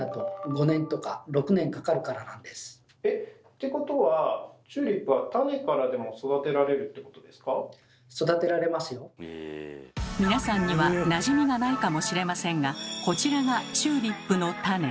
てことは皆さんにはなじみがないかもしれませんがこちらがチューリップの種。